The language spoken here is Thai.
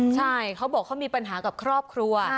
ใช่เขาบอกเขามีปัญหากับครอบครัว